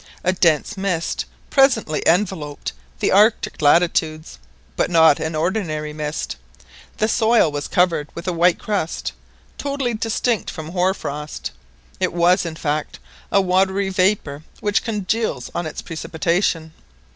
A dense mist presently enveloped the Arctic latitudes, but not an ordinary mist. The soil was covered with a white crust, totally distinct from hoar frost—it was, in fact, a watery vapour which congeals on its precipitation.